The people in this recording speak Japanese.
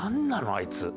あいつ。